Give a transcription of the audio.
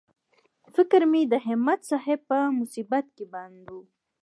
فکر مې د همت صاحب په مصیبت کې بند و.